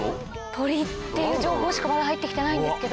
鳥っていう情報しかまだ入ってきてないんですけど。